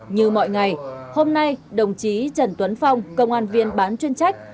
như mọi ngày hôm nay đồng chí trần tuấn phong công an viên bán chuyên trách